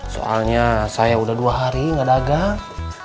soalnya saya udah dua hari gak dagang